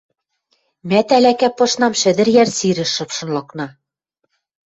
Мӓ тӓлякӓ пышнам Шӹдӹр йӓр сирӹш шыпшын лыкна.